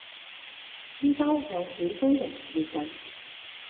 呢間屋有幾多人住緊？